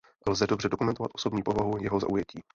Lze dobře dokumentovat osobní povahu jeho zaujetí.